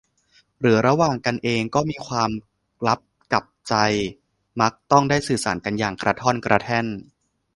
หรือระหว่างกันเองก็มีความลับกับใจ มักต้องได้สื่อสารกันอย่างกระท่อนกระแท่น